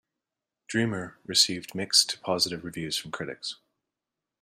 "Dreamer" received mixed to positive reviews from critics.